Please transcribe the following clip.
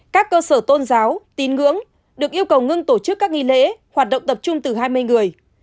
các cơ sở tôn giáo tín ngưỡng được yêu cầu ngưng tổ chức các nghi lễ hoạt động tập trung từ hai mươi người